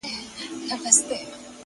ته چیري تللی یې اشنا او زندګي چیري ده’